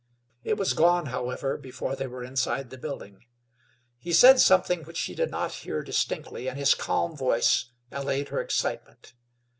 It was gone, however, before they were inside the building. He said something which she did not hear distinctly, and his calm voice allayed her excitement.